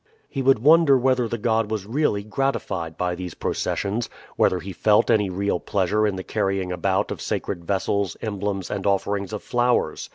He would wonder whether the god was really gratified by these processions, whether he felt any real pleasure in the carrying about of sacred vessels, emblems, and offerings of flowers.